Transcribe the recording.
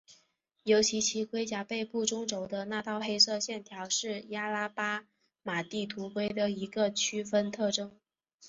尤其其盔甲背部中轴上的那道黑色线条是亚拉巴马地图龟的一个区分特征。